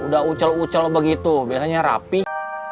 udah ucel ucel begitu biasanya rapih